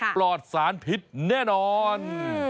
ปลอดศาลผิดแน่นอน